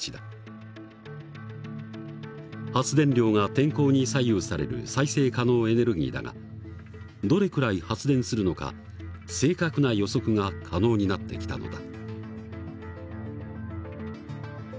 発電量が天候に左右される再生可能エネルギーだがどれくらい発電するのか正確な予測が可能になってきたのだ。